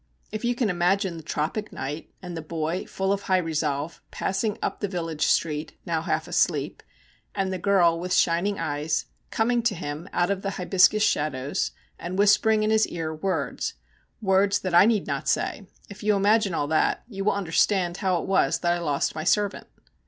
If you can imagine the tropic night, and the boy, full of high resolve, passing up the village street, now half asleep, and the girl, with shining eyes, coming to him out of the hibiscus shadows, and whispering in his ear words words that I need not say if you imagine all that, you will understand how it was that I lost my servant.